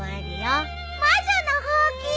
魔女のほうき！